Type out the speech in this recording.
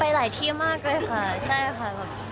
หลายที่มากเลยค่ะใช่ค่ะ